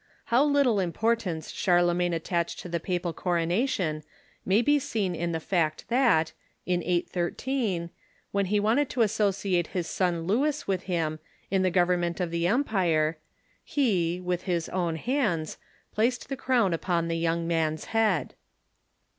How little importance Charlemagne at tached to the papal coronation may be seen in the fact that, in 813, when he wanted to associate his son Louis with him, in the government of the empire, he, with his own hands, placed the crown upon the young man's head.